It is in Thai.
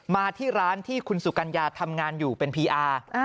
มาที่ร้านที่คุณสุกัญญาทำงานอยู่เป็นพีอาร์